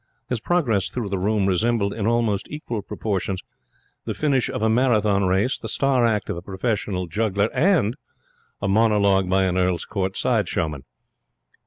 His progress through the room resembled in almost equal proportions the finish of a Marathon race, the star act of a professional juggler, and a monologue by an Earl's Court side showman.